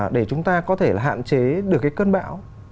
để chúng ta có thể là hạn chế được cái cơn bão